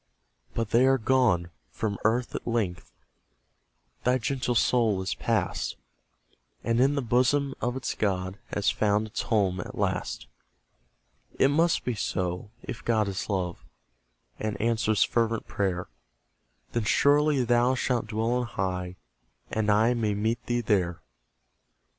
But they are gone; from earth at length Thy gentle soul is pass'd, And in the bosom of its God Has found its home at last. It must be so, if God is love, And answers fervent prayer; Then surely thou shalt dwell on high, And I may meet thee there.